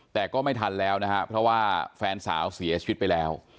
แต่ก็ไม่ทันแล้วนะฮะเพราะว่าแฟนสาวเสียชีวิตไปแล้ว